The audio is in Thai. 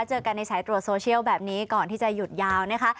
เจอกันในสายตรวจโซเชียลแบบนี้ก่อนที่จะหยุดยาวนะคะ